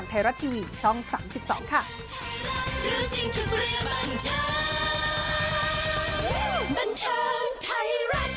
ตาไหลเลย